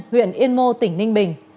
huyện yên mô tỉnh ninh bình